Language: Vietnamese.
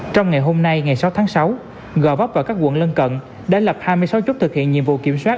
trong ngày hôm nay ngày sáu tháng sáu g vấp và các quận lân cận đã lập hai mươi sáu chốt thực hiện nhiệm vụ kiểm soát